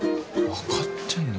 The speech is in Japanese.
分かってんな？